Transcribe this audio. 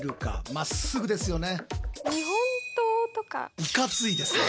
まっすぐですよね。